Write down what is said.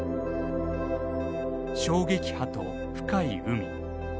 衝撃波と深い海。